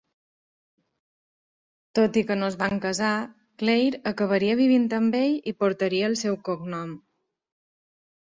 Tot i que no es van casar, Claire acabaria vivint amb ell i portaria el seu cognom.